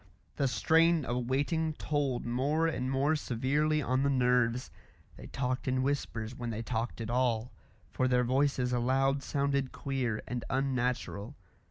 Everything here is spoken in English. The strain of waiting told more and more severely on the nerves; they talked in whispers when they talked at all, for their voices aloud sounded queer and unnatural.